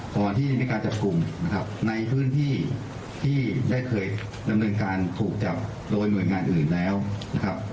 ก่อนที่จะมีการจับกลุ่มนะครับในพื้นที่ที่ได้เคยดำเนินการถูกจับโดยหน่วยงานอื่นแล้วนะครับ